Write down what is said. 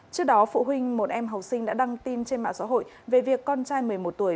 trước đó phụ huynh một em học sinh đã đăng tin trên mạng xã hội về việc con trai một mươi một tuổi